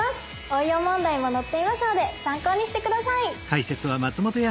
応用問題も載っていますので参考にして下さい！